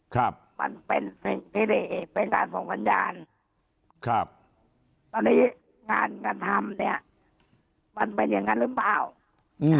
ครับมันเป็นสิ่งที่ได้เป็นการส่งสัญญาณครับตอนนี้งานกระทำเนี้ยมันเป็นอย่างนั้นหรือเปล่าอืม